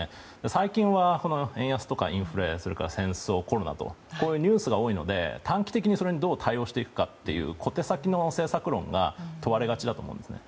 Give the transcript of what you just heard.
最近は、円安とかインフレそれから戦争、コロナとこういうニュースが多いので短期的にそれにどう対応していくかという小手先の政策論が問われがちだと思うんですね。